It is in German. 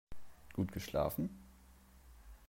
Gut geschlafen?